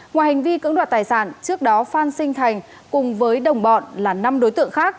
ngoài hành vi cưỡng đoạt tài sản trước đó phan sinh thành cùng với đồng bọn là năm đối tượng khác